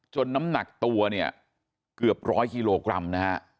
จนน้ำหนักตัวเนี่ยเกือบ๑๐๐กิโลกรัมนะครับ